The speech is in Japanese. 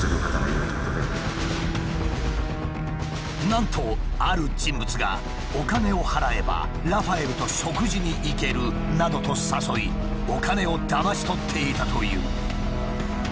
なんとある人物が「お金を払えばラファエルと食事にいける」などと誘いお金をだまし取っていたという。